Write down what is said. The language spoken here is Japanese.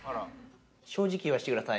正直言わしてください。